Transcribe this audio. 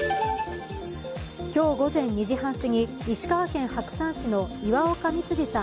今日午前２時半すぎ、石川県白山市の岩岡光治さん